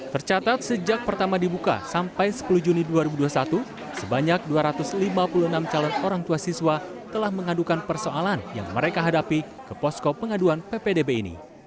tercatat sejak pertama dibuka sampai sepuluh juni dua ribu dua puluh satu sebanyak dua ratus lima puluh enam calon orang tua siswa telah mengadukan persoalan yang mereka hadapi ke posko pengaduan ppdb ini